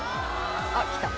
あっきた。